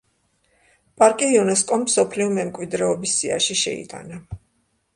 პარკი იუნესკომ მსოფლიო მემკვიდრეობის სიაში შეიტანა.